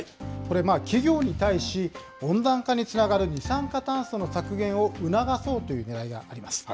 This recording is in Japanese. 企業に対し、温暖化につながる二酸化炭素の削減を促そうというねらいがあります。